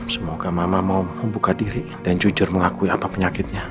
semoga mama mau membuka diri dan jujur mengakui apa penyakitnya